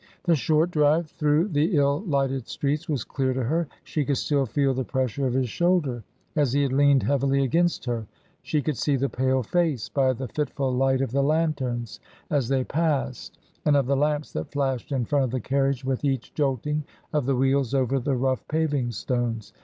The short drive through the ill lighted streets was clear to her. She could still feel the pressure of his shoulder as he had leaned heavily against her; she could see the pale face by the fitful light of the lanterns as they passed, and of the lamps that flashed in front of the carriage with each jolting of the wheels over the rough paving stones.